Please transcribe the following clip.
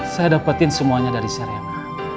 saya dapetin semuanya dari sarena